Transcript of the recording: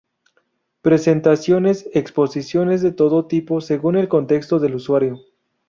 Presentaciones: Exposiciones de todo tipo según el contexto del usuario.